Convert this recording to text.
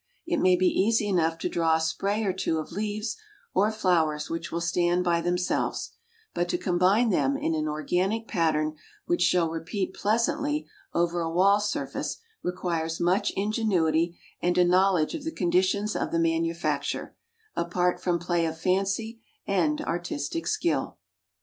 It may be easy enough to draw a spray or two of leaves or flowers which will stand by themselves, but to combine them in an organic pattern which shall repeat pleasantly over a wall surface requires much ingenuity and a knowledge of the conditions of the manufacture, apart from play of fancy and artistic skill.